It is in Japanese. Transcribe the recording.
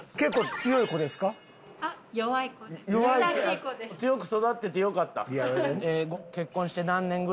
強く育っててよかった。